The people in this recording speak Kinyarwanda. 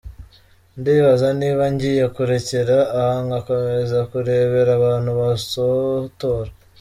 Ndibaza niba ngiye kurekera aha ngakomeza kurebera abantu banshotora.